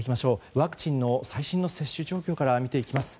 ワクチンの最新の接種状況から見ていきます。